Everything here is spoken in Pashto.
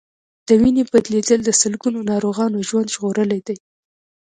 د وینې بدلېدل د سلګونو ناروغانو ژوند ژغورلی دی.